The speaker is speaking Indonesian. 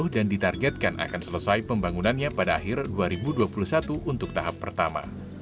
dan ditargetkan akan selesai pembangunannya pada akhir dua ribu dua puluh satu untuk tahap pertama